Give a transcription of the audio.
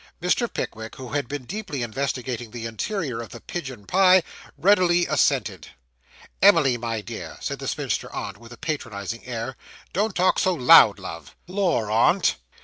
Mr. Pickwick, who had been deeply investigating the interior of the pigeon pie, readily assented. 'Emily, my dear,' said the spinster aunt, with a patronising air, 'don't talk so loud, love.' 'Lor, aunt!